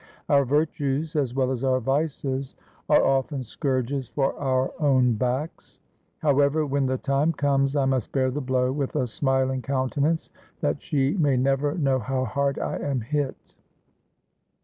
Our virtues, as well as our vices, are often scourges for our own backs. How ever, when the time comes I must bear the blow with a smiling countenance, that she may never know how hard I am hit.